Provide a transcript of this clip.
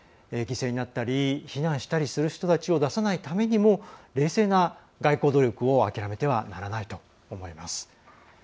犠牲になったり避難したりする人を出さないためにも冷静な外交努力を諦めてはならないと思います。